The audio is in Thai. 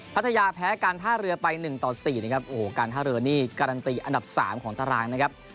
พัทยาแพ้การท่าเรือไป๑ต่อ๔นะครับโอ้โหการท่าเรือนี่การันตีอันดับสามของตารางนะครับ